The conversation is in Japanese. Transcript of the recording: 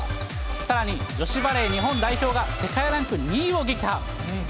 さらに女子バレー日本代表が、世界ランク２位を撃破。